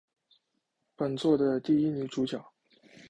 本作的第一女主角。